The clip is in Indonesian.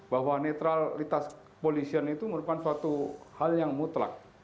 bahwa netralitas kepolisian itu merupakan suatu hal yang mutlak